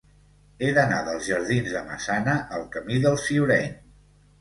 He d'anar dels jardins de Massana al camí del Ciureny.